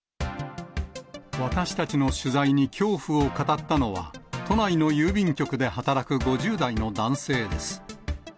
私たちの取材に恐怖を語ったのは、都内の郵便局で働く５０代の男性です。